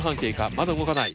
まだ動かない。